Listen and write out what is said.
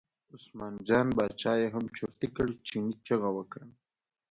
عثمان جان باچا یې هم چرتي کړ، چیني چغه وکړه.